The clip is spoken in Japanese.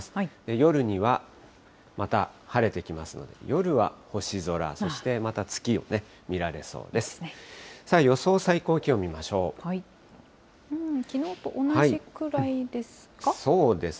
夜にはまた晴れてきますので、夜は星空、そして、また月を見られそうです。